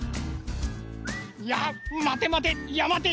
いやまてまて。